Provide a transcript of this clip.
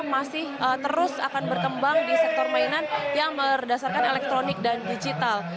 masih terus akan berkembang di sektor mainan yang berdasarkan elektronik dan digital